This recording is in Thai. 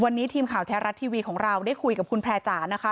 วันนี้ทีมข่าวแท้รัฐทีวีของเราได้คุยกับคุณแพร่จ๋านะคะ